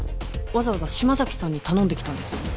わざわざ島崎さんに頼んできたんですよね？